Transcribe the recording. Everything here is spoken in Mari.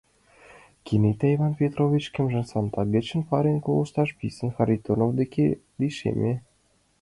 Кенета Иван Петрович шкенжым саҥга гыч перен колтышат, писын Харитонов деке лишеме.